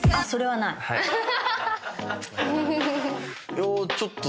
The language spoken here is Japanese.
いやちょっと。